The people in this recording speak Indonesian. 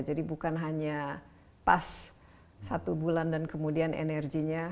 jadi bukan hanya pas satu bulan dan kemudian energinya